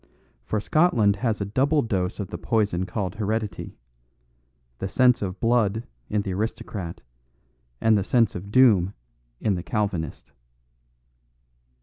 For Scotland has a double dose of the poison called heredity; the sense of blood in the aristocrat, and the sense of doom in the Calvinist.